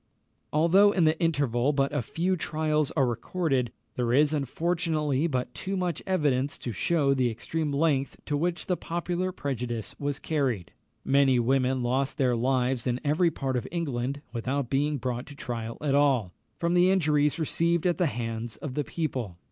Although in the interval but few trials are recorded, there is, unfortunately, but too much evidence to shew the extreme length to which the popular prejudice was carried. Many women lost their lives in every part of England without being brought to trial at all, from the injuries received at the hands of the people.